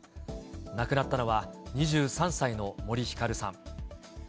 亡くなったのは、２３歳の森ひかるさん。